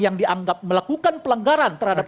yang dianggap melakukan pelanggaran terhadap